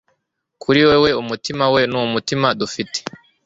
Kuri wewe umutima we n'umutima dufite